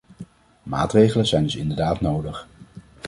Maatregelen zijn dus inderdaad nodig.